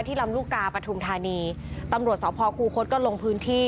ที่ลำรูกกาประธุมธานีตำรวจสอบพอครูคดก็ลงพื้นที่